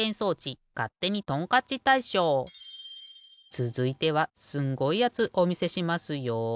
つづいてはすんごいやつおみせしますよ。